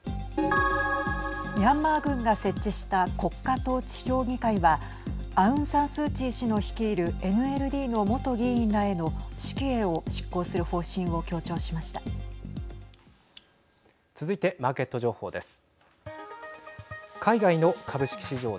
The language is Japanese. ミャンマー軍が設置した国家統治評議会はアウン・サン・スー・チー氏の率いるＮＬＤの元議員らへの死刑を続いて、マーケット情報です。